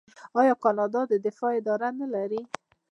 آیا کاناډا د دفاع اداره نلري؟